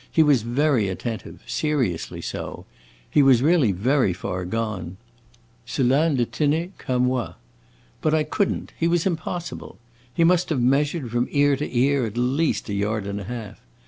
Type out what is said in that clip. He was very attentive seriously so; he was really very far gone. Cela ne tenait qu' a moi! But I could n't; he was impossible! He must have measured, from ear to ear, at least a yard and a half.